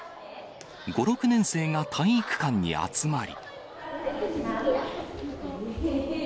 ５、６年生が体育館に集まり。